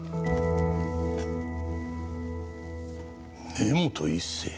根本一成。